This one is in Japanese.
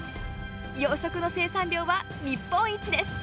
養殖の生産量は日本一です。